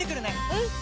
うん！